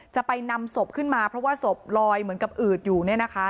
จะไปนำศพขึ้นมาเพราะว่าศพลอยเหมือนกับอืดอยู่เนี่ยนะคะ